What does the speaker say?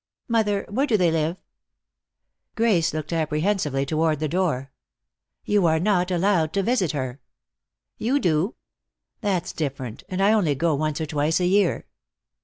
Mother, where do they live?" Grace looked apprehensively toward the door. "You are not allowed to visit her." "You do." "That's different. And I only go once or twice a year."